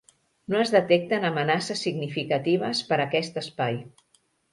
No es detecten amenaces significatives per a aquest espai.